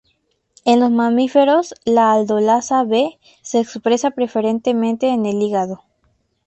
En los mamíferos, la aldolasa B se expresa preferentemente en el hígado.